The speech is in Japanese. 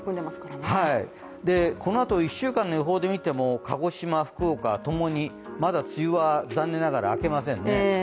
このあと１週間の予報で見ても鹿児島、福岡ともにまだ梅雨は残念ながら明けませんね。